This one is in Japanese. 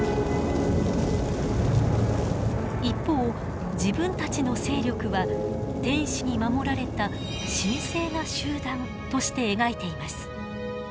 一方自分たちの勢力は天使に守られた神聖な集団として描いています。